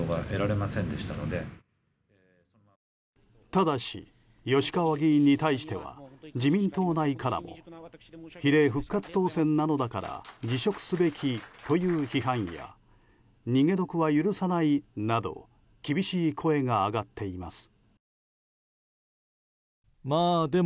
ただし吉川議員に対しては自民党内からも比例復活当選なのだから辞職すべきという批判や逃げ得は許さないなど厳し声が上がっています。